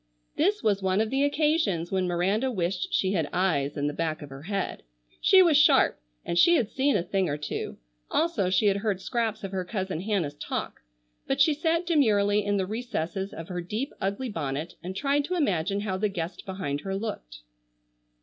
This was one of the occasions when Miranda wished she had eyes in the back of her head. She was sharp and she had seen a thing or two, also she had heard scraps of her cousin Hannah's talk. But she sat demurely in the recesses of her deep, ugly bonnet and tried to imagine how the guest behind her looked.